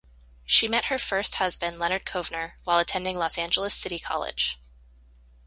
She met her first husband Leonard Kovner while attending Los Angeles City College.